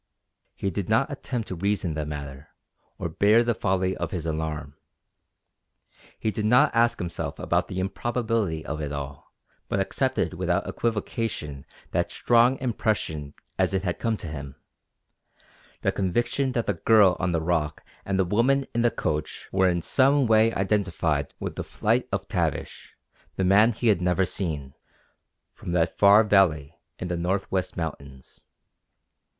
He did not attempt to reason the matter, or bare the folly of his alarm. He did not ask himself about the improbability of it all, but accepted without equivocation that strong impression as it had come to him the conviction that the girl on the rock and the woman in the coach were in some way identified with the flight of Tavish, the man he had never seen, from that far valley in the northwest mountains.